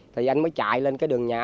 thì anh mới chạy lên đường nhà